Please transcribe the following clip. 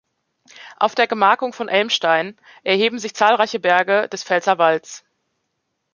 Auf der Gemarkung von Elmstein erheben sich zahlreiche Berge des Pfälzerwalds.